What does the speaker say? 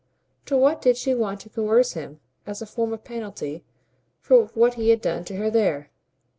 To what did she want to coerce him as a form of penalty for what he had done to her there?